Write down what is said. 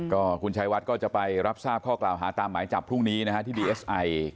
ก็คุณชายวัดก็จะไปรับทราบข้อกล่าวหาตามหมายจับพรุ่งนี้นะฮะที่ดีเอสไอ